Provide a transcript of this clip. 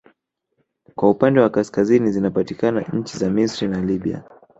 Kwa upande wa kaskazini zinapatikana nchi za Misri na Libya